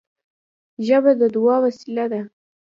ژبه د دعا وسیله ده